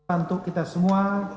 untuk kita semua